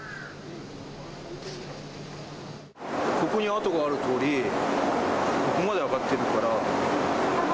ここに跡があるとおり、ここまで上がってきて。